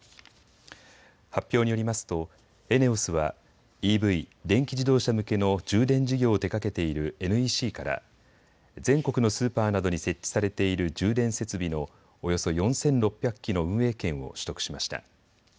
発表によりますとＥＮＥＯＳはＥＶ・電気自動車向けの充電事業を手がけているＮＥＣから全国のスーパーなどに設置されている充電設備のおよそ４６００基の運営権を取得しました。